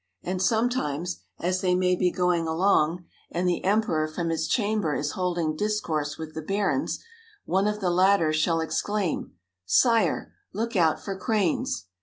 And sometimes, as they may be going along, and the Emperor from his chamber is holding discourse with the barons, one of the latter shall exclaim: 'Sire, look out for cranes!'